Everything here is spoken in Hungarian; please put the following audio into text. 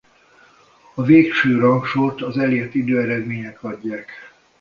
A végső rangsort az elért időeredmények adják.